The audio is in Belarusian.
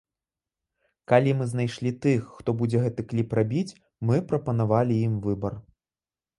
Калі мы знайшлі тых, хто будзе гэты кліп рабіць, мы прапанавалі ім выбар.